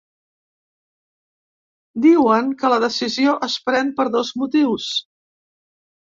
Diuen que la decisió es pren per dos motius.